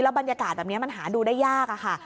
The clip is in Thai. แล้วบรรยากาศแบบนี้มันหาดูได้ยาก